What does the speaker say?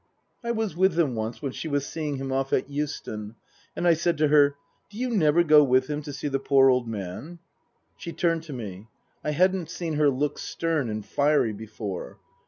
I was with them once when she was seeing him off at Euston, and I said to her, " Do you never go with him to see the poor old man ?" She turned to me. (I hadn't seen her look stern and fiery before.)